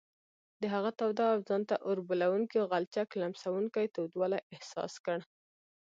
د هغه تاوده او ځان ته اوربلوونکي غلچک لمسوونکی تودوالی احساس کړ.